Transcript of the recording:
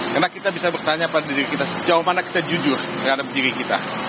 karena kita bisa bertanya pada diri kita sejauh mana kita jujur terhadap diri kita